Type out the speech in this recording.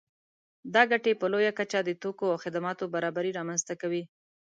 دا ګټې په لویه کچه د توکو او خدماتو برابري رامنځته کوي